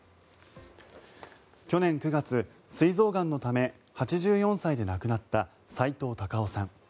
去年９月、すい臓がんのため８４歳で亡くなったさいとう・たかをさん。